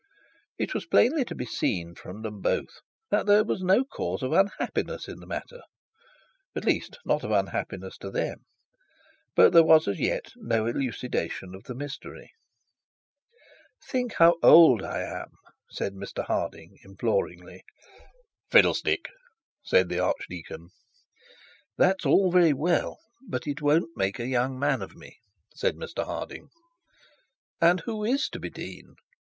It was plainly to be seen from them both that there was no cause for unhappiness in the matter, at least not of an unhappiness to them; but there was as yet no clarification of the mystery. 'Think how old I am,' said Mr Harding imploringly. 'Fiddlestick!' said the archdeacon. 'That's all very well, but it won't make a young man of me,' said Mr Harding. 'And who is to be the dean?'